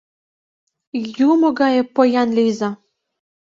Юмо гае поян лийза.